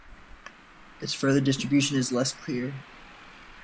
Its further distribution is less clear.